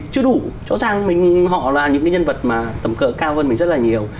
chưa đủ rõ ràng họ là những nhân vật tầm cỡ cao hơn mình rất là nhiều